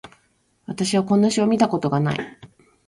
私はこんな詩を見たことがない